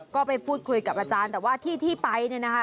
ก็ไปพูดคุยกับอาจารย์แต่ว่าที่ที่ไปเนี่ยนะคะ